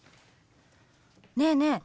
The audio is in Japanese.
ねえねえ